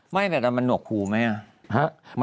ไม่แต่ว่ามันหนวกหูไหมอ่ะ